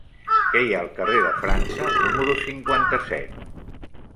Què hi ha al carrer de França número cinquanta-set?